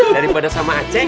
daripada sama aceh